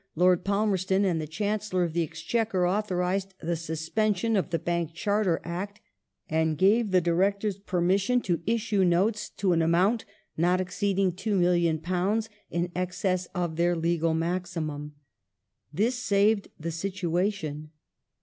Lord Palmerston and the Chancellor of the Exchequer authorized the suspension of the Bank Charter Act, and gave the Directors f 1860]^ THE ORSINI BOMBS 297 / permission to issue notes to an amount not exceeding £2,000,000 in excess of their legal maximum. This saved the situation.